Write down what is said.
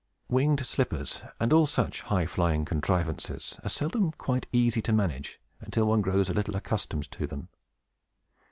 Winged slippers, and all such high flying contrivances, are seldom quite easy to manage until one grows a little accustomed to them.